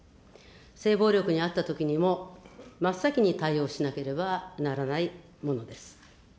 性暴力に遭ったときにも、真っ先に対応しなければならないものです。